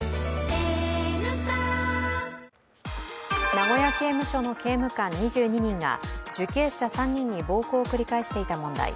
名古屋刑務所の刑務官２２人が受刑者３人に暴行を繰り返していた問題。